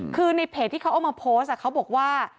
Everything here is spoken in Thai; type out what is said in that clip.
คือในเพจที่เขาเอามาโพสต์เขาบอกว่า